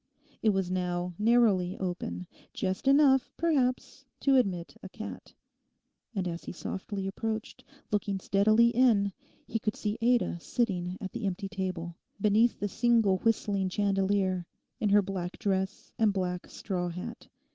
It was now narrowly open, just enough, perhaps, to admit a cat; and as he softly approached, looking steadily in, he could see Ada sitting at the empty table, beneath the single whistling chandelier, in her black dress and black straw hat.